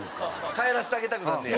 帰らせてあげたくなんねや。